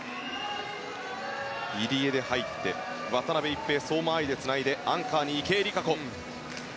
入江で入って渡辺一平、相馬あいでつないでアンカーに池江璃花子。